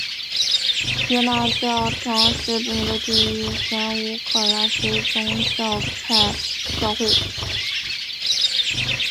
锡罐大教堂是北美洲第一间乌克兰非宗派教会。